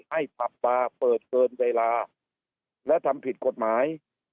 ให้ปรับบาลเปิดเติมเวลาแล้วทำผิดกฎหมาย